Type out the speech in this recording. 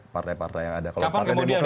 partai partai yang ada kapan kemudian demokrat